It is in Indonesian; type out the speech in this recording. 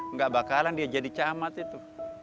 nggak bakalan dia jadi camat itu